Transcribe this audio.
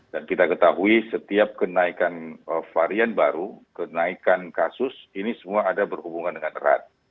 dan kita ketahui setiap kenaikan varian baru kenaikan kasus ini semua ada berhubungan dengan rat